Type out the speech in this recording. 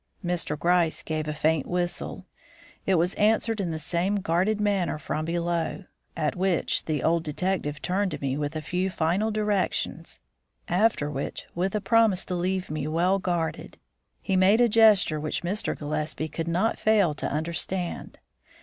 Mr. Gryce gave a faint whistle. It was answered in the same guarded manner from below. At which the old detective turned to me with a few final directions, after which, with a promise to leave me well guarded, he made a gesture which Mr. Gillespie could not fail to understand.